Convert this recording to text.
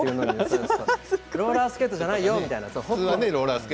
ローラースケートじゃないよって。